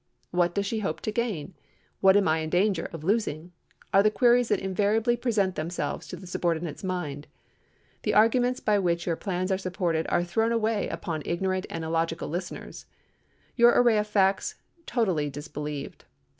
"What does she hope to gain? What am I in danger of losing?" are the queries that invariably present themselves to the subordinate's mind. The arguments by which your plans are supported are thrown away upon ignorant and illogical listeners—your array of facts totally disbelieved.